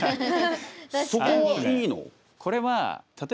そこはいいの？